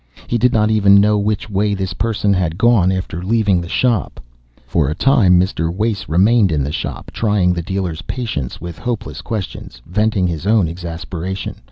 He did not even know which way this person had gone after leaving the shop. For a time Mr. Wace remained in the shop, trying the dealer's patience with hopeless questions, venting his own exasperation.